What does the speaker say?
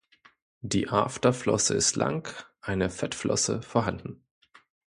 Die Afterflosse ist lang, eine Fettflosse vorhanden.